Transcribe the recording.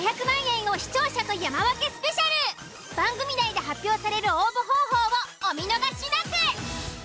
番組内で発表される応募方法をお見逃しなく！